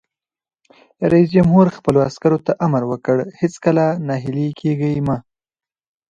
رئیس جمهور خپلو عسکرو ته امر وکړ؛ هیڅکله ناهیلي کیږئ مه!